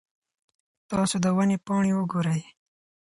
تاسو د ونې پاڼې وګورئ.